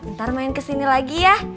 ntar main kesini lagi ya